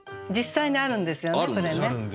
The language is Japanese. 実際にあるんですよねこれね。